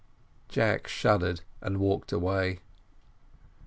Jack shuddered and walked away.